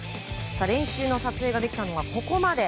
練習の撮影ができたのはここまで。